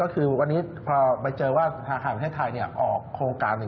ก็คือวันนี้พอไปเจอว่าธนาคารประเทศไทยออกโครงการหนึ่ง